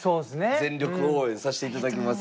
全力応援さしていただきます。